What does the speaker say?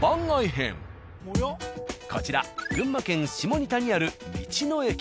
こちら群馬県下仁田にある道の駅。